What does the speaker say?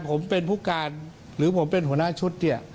ผมเป็นผู้การหรือผมเป็นหัวหน้าชุดเนี่ย